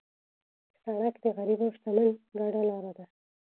سړک د غریب او شتمن ګډه لار ده.